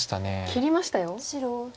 切りましたよ。